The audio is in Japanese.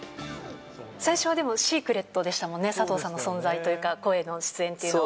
最初はでもシークレットでしたもんね、佐藤さんの存在というか、声の出演というのは。